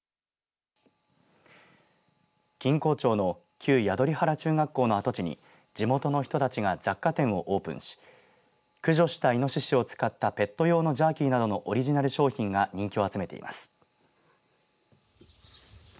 錦江町の旧宿利原中学校の跡地に地元の人たちが雑貨店をオープンし駆除したイノシシを使ったペット用のジャーキーなどのオリジナル商品が人気を集めています。